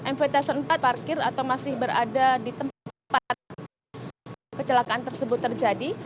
mvtation empat parkir atau masih berada di tempat kecelakaan tersebut terjadi